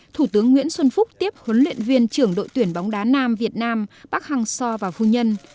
thủ tướng nguyễn xuân phúc tiếp huấn luyện viên trưởng đội tuyển bóng đá nam việt nam bác hằng so và phu nhân